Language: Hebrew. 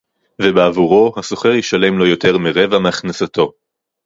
ובעבורו השוכר ישלם לא יותר מרבע מהכנסתו